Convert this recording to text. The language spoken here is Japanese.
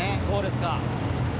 そうですか。